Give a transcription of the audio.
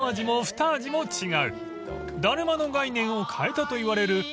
だるまの概念を変えたといわれるこの布だるま］